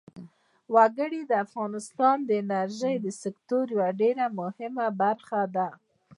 وګړي د افغانستان د انرژۍ سکتور یوه ډېره مهمه برخه ده.